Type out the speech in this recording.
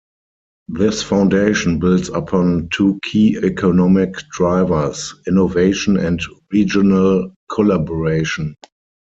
This foundation builds upon two key economic drivers - innovation and regional collaboration.